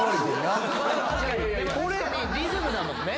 リズムだもんね。